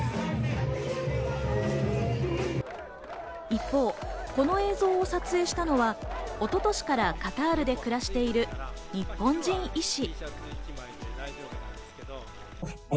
一方、この映像を作成したのは一昨年からカタールで暮らしている、日本人医師。